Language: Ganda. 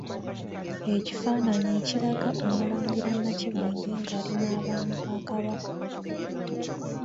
Ekifaananyi ekiraga Omulangira Nakibinge nga ali n'Abaami ba Kabaka.